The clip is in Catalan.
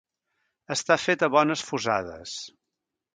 Estar fet a bones fusades.